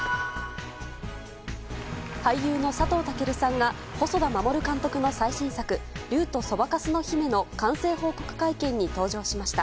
俳優の佐藤健さんが細田守監督の最新作「竜とそばかすの姫」の完成報告会見に登場しました。